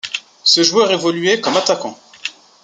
Ce joueur évoluait comme attaquant.